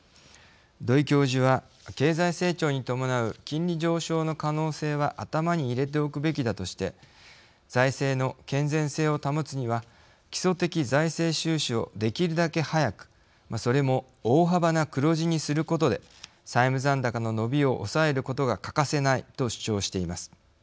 土居教授は経済成長に伴う金利上昇の可能性は頭に入れておくべきだとして財政の健全性を保つには基礎的財政収支をできるだけ早くそれも大幅な黒字にすることで債務残高の伸びを抑えることが欠かせないと主張しています。